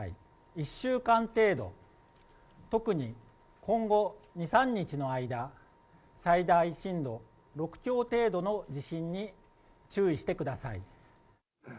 １週間程度、特に今後２、３日の間、最大震度６強程度の地震に注意してください。